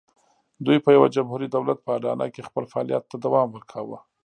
دوی په یوه جمهوري دولت په اډانه کې خپل فعالیت ته دوام ورکاوه.